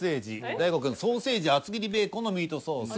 大悟くん「ソーセージ厚切りベーコンのミートソース」。